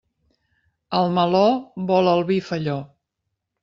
El meló vol el vi felló.